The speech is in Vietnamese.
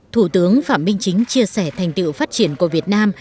thủ tướng phạm minh chính chia sẻ thành tựu phát triển của việt nam